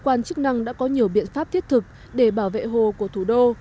cơ quan chức năng đã có nhiều biện pháp thiết thực để bảo vệ hồ của thủ đô